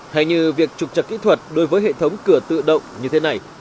hãy như việc trục trật kỹ thuật đối với hệ thống cửa tự động như thế này